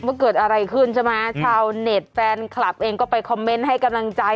ว่าเกิดอะไรขึ้นใช่ไหมชาวเน็ตแฟนคลับเองก็ไปคอมเมนต์ให้กำลังใจ